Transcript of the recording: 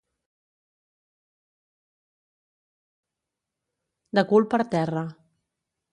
De cul per terra.